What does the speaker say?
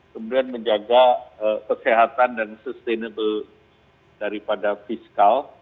kemudian menjaga kesehatan dan sustainable daripada fiskal